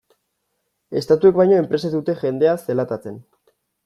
Estatuek baino, enpresek dute jendea zelatatzen.